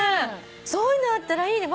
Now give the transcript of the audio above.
そういうのあったらいいね。